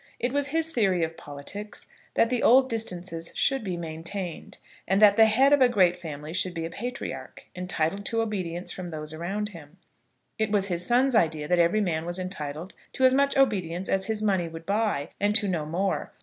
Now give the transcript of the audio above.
It was his theory of politics that the old distances should be maintained, and that the head of a great family should be a patriarch, entitled to obedience from those around him. It was his son's idea that every man was entitled to as much obedience as his money would buy, and to no more.